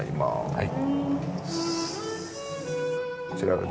はい。